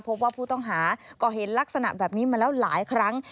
พบว่าผู้ต้องหาก่อเหตุลักษณะแบบนี้มาแล้วหลายครั้ง